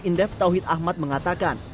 indef tauhid ahmad mengatakan